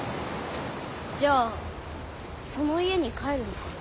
じゃあその家に帰るのか？